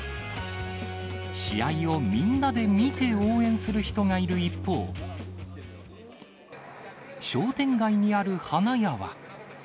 試合をみんなで見て応援する人がいる一方、商店街にある花屋は。